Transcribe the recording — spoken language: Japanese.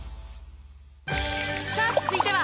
さあ続いては。